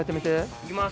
いきます。